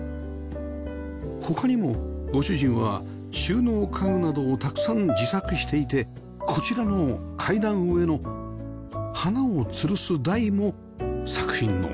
他にもご主人は収納家具などをたくさん自作していてこちらの階段上の花をつるす台も作品の一つです